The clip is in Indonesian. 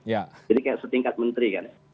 jadi kayak setingkat menteri kan